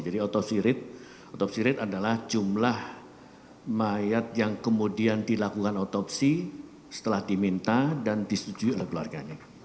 jadi otopsi rate adalah jumlah mayat yang kemudian dilakukan otopsi setelah diminta dan disetujui oleh keluarganya